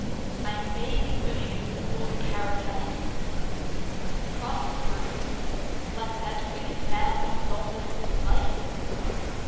I may be living in a fool's paradise, prospering like that wicked man the Psalmist disliked.